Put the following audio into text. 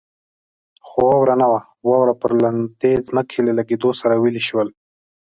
خو واوره نه وه، واوره پر لوندې ځمکې له لګېدو سره ویلې شول.